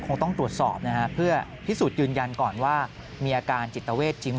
คงต้องตรวจสอบนะฮะเพื่อพิสูจน์ยืนยันก่อนว่ามีอาการจิตเวทจริง